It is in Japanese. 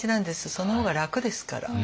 その方が楽ですから。